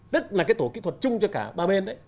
tức là tổ kỹ thuật chung cho cả ba bên